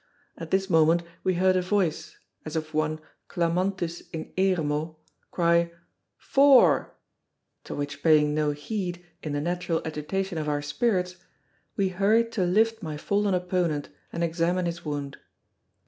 At this moment we heard a voice, as of one clamantis in eremo, cry "Fore!" to which paying no heed in the natural agitation of our spirits, we hurried to lift my fallen opponent and examine his wound.